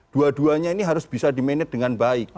dua duanya ini harus bisa di manage dengan baik